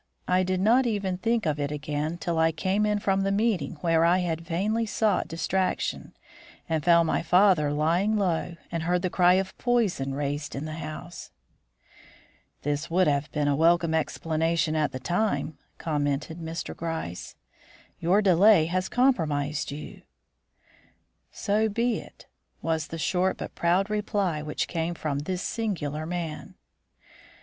I did not even think of it again till I came in from the meeting where I had vainly sought distraction, and found my father lying low and heard the cry of poison raised in the house." "This would have been a welcome explanation at the time," commented Mr. Gryce. "Your delay has compromised you." "So be it," was the short but proud reply which came from this singular man.